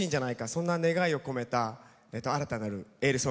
そんな願いを込めた新たなるエールソングです。